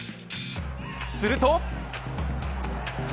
すると。